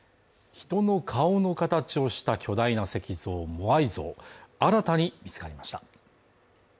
人の顔の形をした巨大な石像モアイ像、新たに見つかりました。